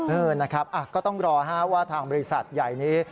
เออนะครับก็ต้องรอว่าทางบริษัทใหญ่นี้